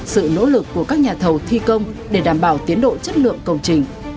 sự nỗ lực của các nhà thầu thi công để đảm bảo tiến độ chất lượng công trình